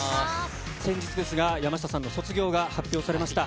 先日ですが、山下さんの卒業が発表されました。